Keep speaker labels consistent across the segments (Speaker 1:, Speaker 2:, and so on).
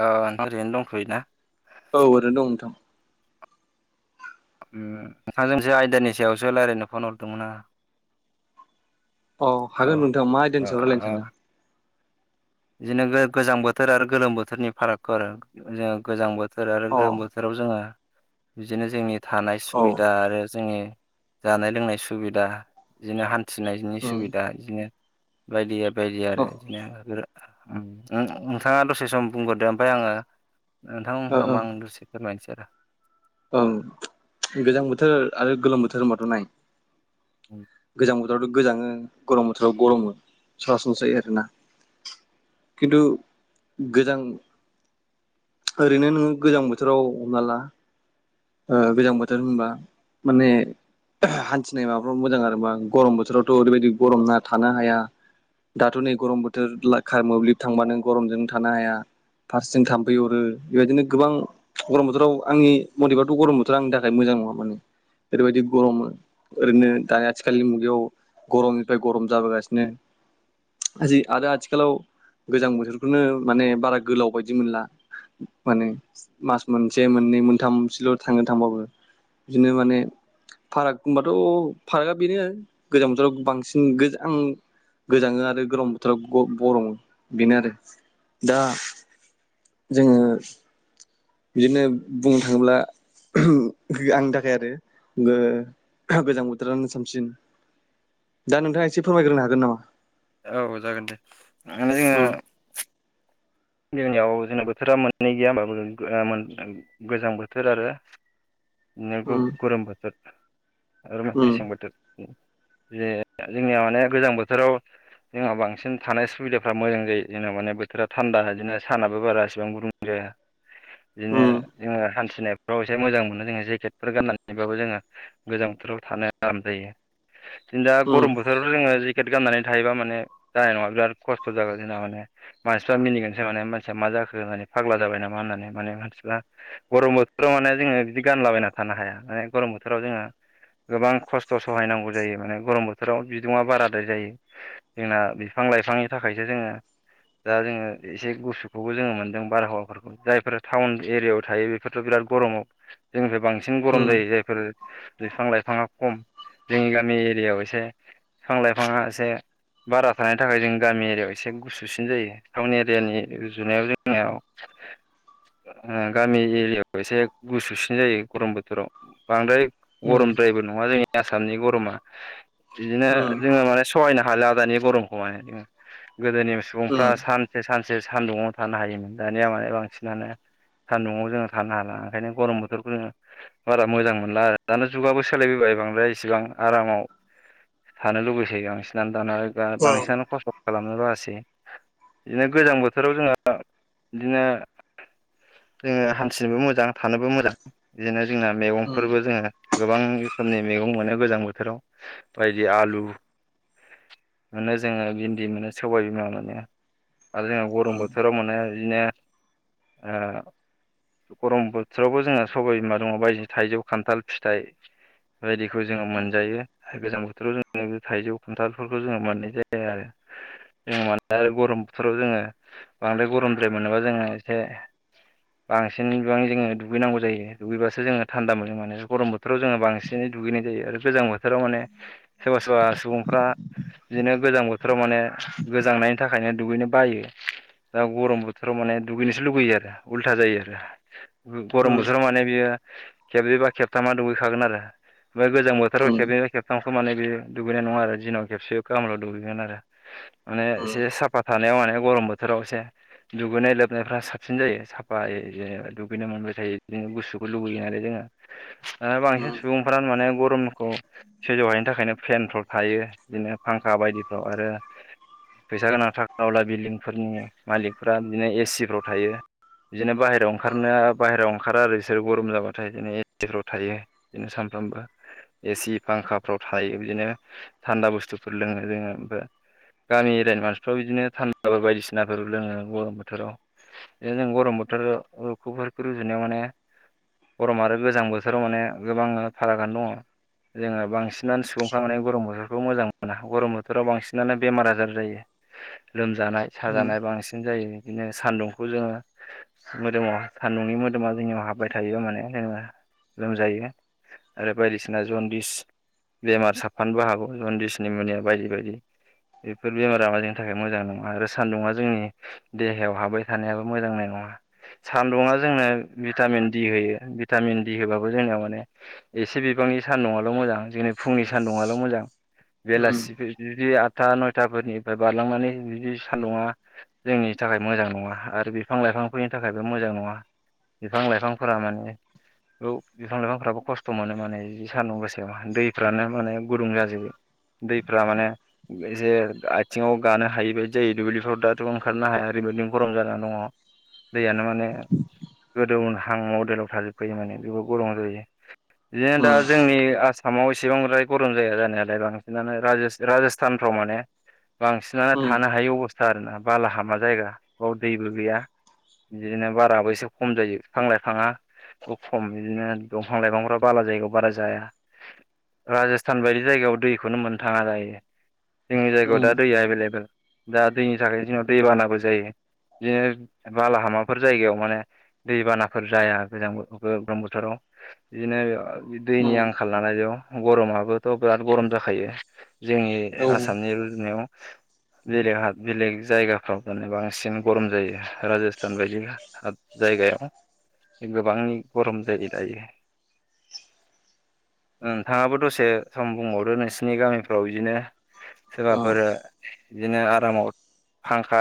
Speaker 1: औ नोंथां ओरैनो दंथ'योना?
Speaker 2: औ ओरैनो दं नोंथां।
Speaker 1: ओम नोंथांजोंसो आयदानि सायावसो रायलायनो फन हरदोंमोन आं।
Speaker 2: औ हागोन नोंथां मा
Speaker 1: ओ
Speaker 2: आयदानि सायाव रायलायनो
Speaker 1: ओ
Speaker 2: सानदों?
Speaker 1: बिदिनो गो- गोजां बोथोर आरो गोलोम बोथोरनि फारागखौ आरो जों गोजां बो थोर आरो
Speaker 2: अ
Speaker 1: गोलोम बोथोराव जोङो बिदिनो जोंनि थानाय
Speaker 2: औ
Speaker 1: सुबिदा आरो जोंनि जानाय लोंनाय सुबिदा बिदिनो हान्थिनायनि
Speaker 2: उम
Speaker 1: सुबिदा बिदिनो बायदि बायदि
Speaker 2: अ
Speaker 1: आरो बिदिनो [unintelligible] उम उम नोंथाङा दसे सम बुंग्रोदो ओमफ्राय आङो नोंथां
Speaker 2: ओ ओ
Speaker 1: बुंखांबा आं दसे फोरमायनोसै आरो।
Speaker 2: ओं गोजां बोथोर आरो गोलोम बोथोर होनबाथ' नाय गोजां बो थोरावथ' गोजाङो गरम बोथोराव गरमो सरासनस्रायै आरोना। खिन्थु गोजां ओरैनो नोङो गोजां बोथोराव हमना ला ओ गोजां बोथोर होनबा माने हान्थिनाय माबाफ्राव मोजां आरोबा गरम बोथोरावथ' ओरैबायदि गरम ना थानो हाया। दाथ' नै गरम बोथोर ला का मोब्लिब थांबा नों गरमजोंनो थानो हाया। फारसेथिं थाम्फै अरो बेबायदिनो गोबां गरम बोथोराव आंनि मथेबाथ' गरम बथोरा आंनि थाखाय मोजां नङा माने। ओरैबायदि गरमो ओरैनो दा आथिखालनि मुगायाव गरमनिफ्राय गरम जाबोगासिनो। जि आरो आथिखालाव गोजां बोथोरखौनो माने बारा गोलाव बायदि मोनला। माने मास मोनसे मोननै मोनथाम सेल' थांगोन थांबाबो बिदिनो माने फाराग होनबाथ' फारागा बेनो गोजां बोथोराव बांसिन गोजां गोजाङो आरो गरम बोथोराव गर-गरमो बेनो आरो दा जोङो बिदिनो बुंनो थाङोब्ला आंनि थाखाय आरो गो-गोजां बोथोरानो सामसिन। दा नोंथाङा एसे फोरमायग्रोनो हागोन नामा?
Speaker 1: औ जागोन दे माने जोङो जोंनियाव जोंना बोथोरा मोननै गैया होमबा [unintelligible] गोजां बोथोर आरो नो गौ
Speaker 2: उम
Speaker 1: गरम बोथोर आरो
Speaker 2: उम
Speaker 1: मेसें बोथोर जे जोंनिया माने गोजां बोथोराव जोंहा बांसिन थानाय सुबिदाफ्रा मोजां जायो जेनेबा माने बोथोरा थान्दा बिदिनो सानाबो बारा इसिबां गुदुं जाया बिदिनो
Speaker 2: उम
Speaker 1: जोङो हान्थिनाय फ्राव एसे मोजां मोनो जोङो जेकेटफोर गाननानैबाबो जोङो गोजां बोथोराव थानो आराम जायो।
Speaker 2: [inaudible]
Speaker 1: जों दा
Speaker 2: उम उम
Speaker 1: गरम बोथोराव जोङो जि केट गाननानै थायोबा माने जानाय नङा बिराद खस्थ' जागोन जोंना माने मानसिफ्रा मिनिगोन माने मानसिया मा जाखो होननानै फाग्ला जाबाय नामा होननानै माने मानसिफ्रा गरम बोथोराव माने जोङो बिदि गान लाबायना थानो हाया माने गरम बोथोराव जोंङो गोबां खस्थ' सहायनांगौ जायो माने गरम बोथोराव बिदुङा बाराद्राय जायो जोंना बिफां लाइफांनि थाखायसो जोङो दा जोङो एसे गुसुखौबो जोङो मोनदों बारहावाफोरखौ जायफोरा टाउन एरियायाव थायो बेफोरथ' बिराद गरमाव जोंनिफ्राय बांसिन गरम जायो जायफोर बिफां लाइफाङा खम। जोंनि गामि एरियायाव एसे बिफां लाइफाङा एसे बारा थानायनि थाखाय जों गामि एरियायाव एसे गुसुसिन जायो टाउन एरिया यानि रुजुनायाव जोंनियाव ओ गामि एरियाखौ एसे गुसुसिन जायो गरम बोथोराव बांद्राय
Speaker 2: उम उम
Speaker 1: गरमद्रायबो नङा जोंनि आसामनि गरमा बिदिनो
Speaker 2: उम
Speaker 1: जोङो माने सहायनो हा हाला दानि गरमखौ मानाय जोङो गोदोनि
Speaker 2: उम
Speaker 1: सुबुंफ्रा सान सानसे सान्दुङआव थानो हायोमोन दानिया माने बांसिनानो सान्दुङाव जोङो थानो हाला ओंखायनो गरम बोथोरखौ जोङो बारा मोजां मोनला आरो दाना जुगाबो सोलायबोबाय बांद्राय इसेबां आरामाव थानो लुबैसोयो बांसिनानो दाना
Speaker 2: उम
Speaker 1: बां-बांसिनानो खस्थ' खालामनो बासै बिदिनो गोजां बोथोराव जोंहा बिदिनो जोङो हान्थिनोबो मोजां थानोबो मोजां बिदिनो जोंना
Speaker 2: उम
Speaker 1: मैगंफोरबो जोङो गोबां रोखोमनि मैगं मोनो गोजां बोथोराव बायदि आलु मोनो जोङो भिन्दि मोनो सबाय बिमा मोनो आरो जोंहा गरम बोथोराव मोननाय बिदिनो ओ। गरम बोथोरावबो जोङो सबाइ बिमा दङ बायदि थाइजौ खान्थाल फिथाइ बायदिखौ जोङो मोनजायो गोजां बोथोराव जों थाइजौ खान्थालफोरखौ जोङो मोननाय जायो आरो जोङो माने आरो गरम बोथोराव जोङो बांद्राय गरमद्राय मोनोबा जोङो एसे बांसिन बिबाङै जोङो दुगैनांगौ जायो दुगैबासो जोङो थान्दा मोजां माने गरम बोथोराव जोङो बांसिनै दुगैनाय जायो आरो गोजां बोथोराव माने सोरबा सोरबा सुबुंफ्रा बिदिनो गोजां बोथोराव माने गोजांनायनि थाखायनो दुैगैनो बायो दा गरम बोथोराव माने दुगैनोसो लुुबैयो आरो उल्था जायो आरो। गु गरम
Speaker 2: उम
Speaker 1: बोथोराव माने बियो खेबनै बा खेबथामा दुगैखागोन आरो। ओमफाय गोजां बोथोराव खेबनै बा खेबथाम समानै बे दुगैनाय नङा आरो दिनाव खेबसे खामलयाव दुगैगोन आरो माने एसे साफात थानायाव माने गरम बोथोराव एसे दुगैनाय लोबनायफ्रा साबसिन जायो साफाय दुगैनो मोनबाय थायो बिदिनो गुसुखौ लुगैयो नालाय जों- बांसिन सुबुंफोरानो माने गरमखौ सैजौहायैनि थाखायनो प्लेनफ्राव थायो बिदिनो फांखा बायदिफ्राव आरो! फैसा गोनां थाखा अला बिल्डिंफोरनि मालिकफोरा बिदिनो एसिफ्राव थायो। बिदिनो बाहेरायाव ओंखारनो बाहेरायाव ओंखारा आरो बिसोरो गरम जाबाथाय बिदिनो एसिफ्राव थायो बिदिनो सानफ्रामबो एसि फांखाफ्राव थायो बिदिनो थान्दा बुस्थुफोर लोङो जोङो ओमफ्राय गामि एरियानि मानसिफोर बिदिनो थान्दाफोर बायदिसिनाफोर लोङो गरम बोथोराव जों गरम बोथोरफोरखौ रुजुनायाव माने गरम आरो गोजां बोथोराव माने गोबां फारागआनो दङ। जोङो बांसिनानो सुबुंफ्रानो गरम बोथोरखौ मोजां मोना गरम बोथोराव बांसिनानो बेमार आजार जायो। लोमजानाय साजानाय बांसिन जायो। बिदिनो सान्दुंखौ जोङो मोदोमाव सान्दुंनि मोदोमा जोंनियाव हाबबाय थायो माने जेनेबा लोमजायो आरो बायदिसिना जनदिस बेमार साफानोबो हागौ जनदिसनि मुलिया बायदि बायदि बेफोर बेमारा माने थाखाय मोजां नङा आरो सान्दुंङा जोंनि देहायाव हाबबाय थानायाबो मोजांनाय नङा सान्दुङा जोंनो भिटामिन डि होयो भिटामिन डि होबाबो जोंनियाव माने एसे बि बांनि सानदुंङाल' मोजां दिनै फुंनि सानदुंङाल' मोजां। बेलासिफोर जुदि आठथा नयथाफोरनिफ्राय बारलांनानै बिदि सान्दुंङा जोंनि थाखाय मोजां नङा आरो बिफां लाइफांफोरनि थाखायबो मोजां। नङा बिफां लाइफांफोरा माने बिफां लाइफांफ्राबो खस्थ' मोनो माने जि सान्दुं गोसायाव दैफ्रानो माने गुदुं जाजोबो दै फोरा माने एसे बिथिङाव गानो हि बायदि जायो दुब्लिफ्राव दाथ' ओंखारनो हाया ओरैबायदिनो गरम जाना दङ। दैयानो माने गोदौहां मदेलाव थाजोबफायो माने बेबो गलं जायो। बिदिनो दा
Speaker 2: उम
Speaker 1: जोंनि आसा माव एसेबांद्राय गरम जाया जानायालाय बांसिनानो राज राजस्थानफ्राव माने बांसिनानो थानो हायै अबस्था आरोना बालाहामा जायगा बेयाव दैबो गैया। बिदिनो बाराबो एसे खम जायो बिफां लाइफाङा। खम बिदिनो दंफां लाइफांफ्रा बाला जायगायाव बारा जाया। राजस्थान बायदि जायगायाव दैखौनो मोननो थाङा दायो जोंनि जायगायाव
Speaker 2: उम
Speaker 1: दा दैया एभेलेबेल दा दैनि थाखाय जोंनाव दै बानाबो जायो। बिदिनो बालाहामाफोर जायगायाव माने दैबानाफोर जाया गोजां गरम बोथोराव। बिदिनो दैनि
Speaker 2: उम
Speaker 1: आंखाल नालाय बेयाव गरमाबोथ' बिराद गरम जाखायो। जोंनि
Speaker 2: औ
Speaker 1: आसामनि रुजुनायाव। जेरैहा बेलेग जायगाफ्राव माने बांसिन गरम जायो राजस्थान बायदि। जायाव गोबां गरम जायो दायो। नोंथाङाबो दसे सम बुंबावदो नोंसिनि गामिफ्राव बिदिनो
Speaker 2: औ
Speaker 1: सोरबाफोर बिदिनो आरामाव फांखा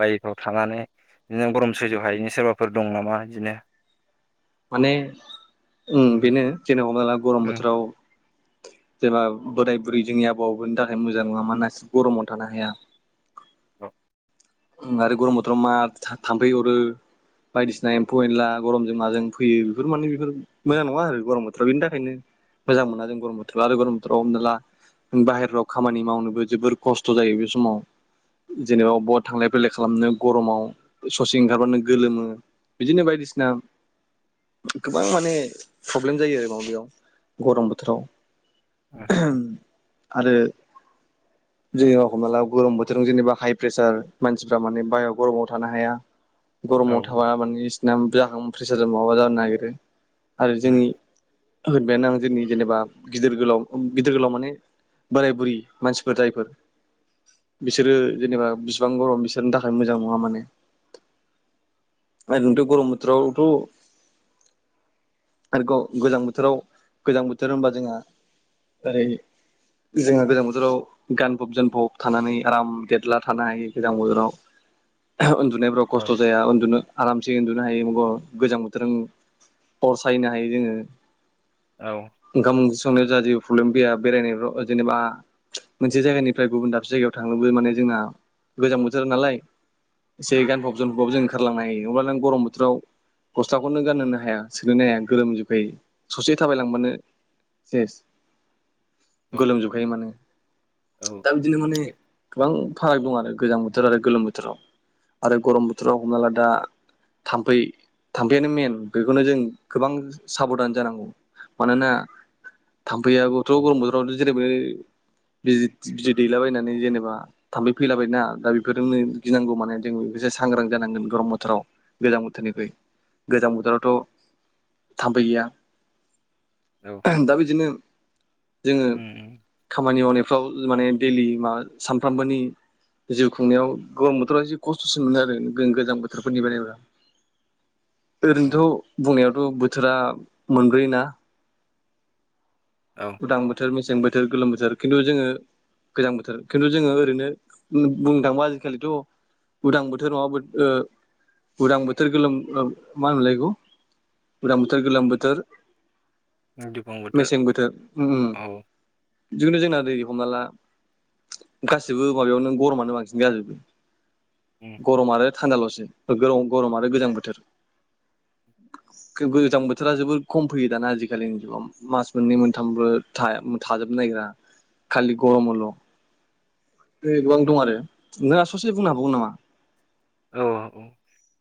Speaker 1: बायफ्राव थानानै बिदिनो गरम सैज्य हायैनि सोरबाफोर दं नामा बिदिनो?
Speaker 2: माने बेनो जेनेबा हमनाला गरम बोथोराव जेबा बोराय बुरै जोंनि आबौ आबौनि थाखाय मोजां नङा मानास गरमाव थानो हाया।
Speaker 1: औ।
Speaker 2: आरो गरम बोथोराव मा थाम्फै अरो बायदिसिना एम्फौ एनला गरमजों माजों फैयो बेफोर माने बेफोर मोजां नङा आरो गरम बेनि थाखायनो मोजां मोना जों गरम बोथोराव आरो गरम बोथोराव हमना ला बाहेराव खामानि मावनोबो जोबोर खस्थ' जायो बे समाव जेनेबा अ थांलाय फैलाय खालामनो गरमाव ससे ओंखारबानो गोलोमो बिदिनो बायदिसिना गोबां माने प्रब्लेम जायो आरोबाबेयाव गरम बोथोराव।
Speaker 1: औ।
Speaker 2: आरो जोंनि रावखौ माला गरम बोथोराव जेनेबा हाइ प्रेसार मानसिफ्रा माने बाहहेरायाव गरमाव थानो हाया
Speaker 1: औ
Speaker 2: गरमाव थाबा माने बिसिना जाहां प्रेसारजों माबाबा जानो नागिरो आरो जोंनि होनबायानो आं जोंनि जेनेबा गिदिर गोलाव गिदिर गोलाव माने बोराय बुरि मानसिफोर जायफोर बिसोरो जेनेबा बिस बिसेबां गरम बिसोरनि थाखाय मोजां नङा माने। रनोथ' गरम बोथोरावथ' आरो गोजां बोथोराव गोजां बोथोर होनबा जोंहा ओरै जोङो गोजां बोथोराव गानफब जोमफब थानानै आराम देरला थानो हायो। सिगां बोजोराव उन्दुनायफ्राव
Speaker 1: औ
Speaker 2: खस्थ' जाया उन्दुनो आराम से उन्दुनो हायो गोजां बोथोराव फरसायनो हायो जोङो।
Speaker 1: औ
Speaker 2: ओंखाम ओंख्रि संनायाव जा जेबो प्रब्लेम गैया बेरायनायफ्राव जेनेबा मोनसे जायगानिफ्राय गुबुन दाबसे जायगायाव थांनोबो माने जोंना गोजां बोथोर नालाय एसे गानफब जानफब जों ओंखारलांनो हायो नङाब्ल नों गरम बोथोराव गस्लाखौनो गानहोनो हाया सोनहोनो हाया गोरोमजोबखायो ससे थाबायलांबानो सेस।
Speaker 1: औ
Speaker 2: गोलोमजोबखायो माने दा बिदिनो माने गोबां फाराग दं आरो गोजां बोथोर आरो गोलोम बोथोराव आरो गरम बोथोराव हमना ला दा थाम्फै थाम्फैआानो मेन बेखौनो जों गोबां साबधान जानांगौ। मानोना थाम्फैआोथ' गरम बोथोरावथ जेरैबाय बिज बिजि दैलाबायनानै जेनेबा थाम्फै फैलाबायना दा बेफोरनो गिनांगौ माने जों बेखौसो सांग्रां जानांगोन गरम बोथोराव गोजां बोथोरनिखु गोजां बोथोरावथ' थाम्फै गैया
Speaker 1: औ
Speaker 2: दा बिदिनो जोङो खामानि मावनायफ्राव माने दैडेलि मा सानफ्रामबोनि जिउ खुंनायाव गोबां बोथोराव एसे खस्थ'सिन मोनो आरो गोजां बोथोरफोरनि बानायबा
Speaker 1: औ
Speaker 2: ओरैनोथ' बुंनायावथ' बोथोरा मोनब्रोयोना
Speaker 1: औ
Speaker 2: उदां बोथोरेसें बोथोर गोलोम बोथोर बो खिन्थु जोङो गोजां बोथोर खिन्थु जोङो ओरैनो बुंनो थांोबा आजिखालिथ' उदां बोथोर नङाबो ओ- उदां बोथोर गोलोम मा होनलायगौ गोजां बोथोर गोलोम बोथोर
Speaker 1: दिफगट
Speaker 2: मेसें बोथोर उम बिदिखनो जोंना दै हम ाबाला गासिबो माबायावनो गरमानो बांसिन जाजोबो गरम आरो थान्दाल'सो ग गरम आरो गोजां बोथोर गोजां बोथोरा जोबोर खम फैयो दाना आजिखालिनि जाव मास मोननै मोन सथामबो थाजोबनो नागिरा खालि गरम हल' द
Speaker 1: औ
Speaker 2: गोबां दं आरो नोंना ससे बुंनो हाबौगो नामा
Speaker 1: औ औ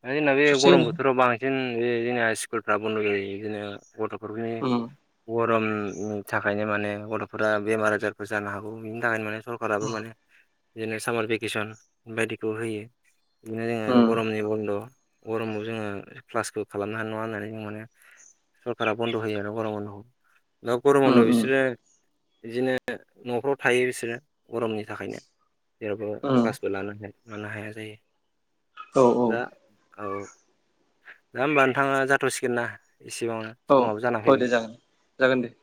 Speaker 1: द जोंना बे गरम
Speaker 2: ससेनो
Speaker 1: बोथोराव बांसिन बे जोंनिना स्कुलफ्रा बन्द' जायो बिदिनो गथ'खनि
Speaker 2: उम
Speaker 1: गरमनि थाखायनो माने गथ'फोरा बेमार आजारफोर जानो हागौ बिनि थाखायनो माने सरखाराराबो माने बिदिनो सामार भेकेसन बायदिखौ होयो बिदिनो जोङो
Speaker 2: उम
Speaker 1: गरमनि बन्द' गरमाव जोङो प्लासखौ खालामनो हानाय नङा होननानै जों माने सरकारा बन्द' होयो ना गरम बन्द'खौ दा गरम
Speaker 2: उम
Speaker 1: बन्द'आव
Speaker 2: उम
Speaker 1: बिसोरो बिदिनो न'फ्राव थायो बिसोरो गरमनि थाखायनो जेरावबो
Speaker 2: उम
Speaker 1: क्लासबो लानो हायो मोनानो हाया जायो
Speaker 2: औ औ
Speaker 1: दा औ दा होमबा नोंथाङा जाथ'सिगोन ना एसेआवनो
Speaker 2: औ
Speaker 1: समाबो जाना
Speaker 2: औ
Speaker 1: फै
Speaker 2: दे जागोन जागोन दे